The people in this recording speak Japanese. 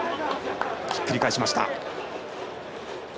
ひっくり返しました。